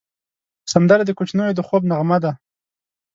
سندره د کوچنیو د خوب نغمه ده